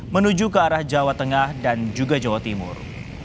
menuju ke arah jawa tengah dan juga jawa timur